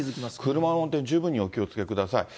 車の運転、十分にお気をつけください。